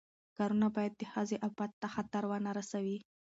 کارونه باید د ښځې عفت ته خطر ونه رسوي.